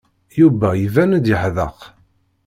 Yuba iban-d yeḥdeq.